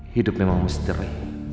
hidup memang misteri